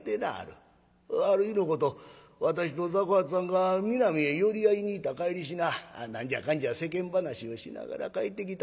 ある日のこと私と雑穀八さんがミナミへ寄り合いに行った帰りしな何じゃかんじゃ世間話をしながら帰ってきた。